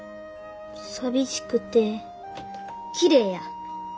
寂しくてきれいや。